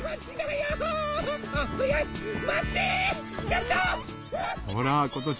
ちょっと！